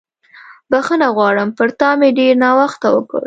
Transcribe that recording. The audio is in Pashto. بښنه غواړم، پر تا مې ډېر ناوخته وکړ.